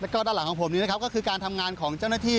แล้วก็ด้านหลังของผมนี้นะครับก็คือการทำงานของเจ้าหน้าที่